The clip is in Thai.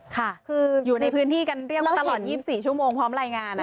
ค่ะคืออยู่ในพื้นที่กันเรียกว่าตลอด๒๔ชั่วโมงพร้อมรายงาน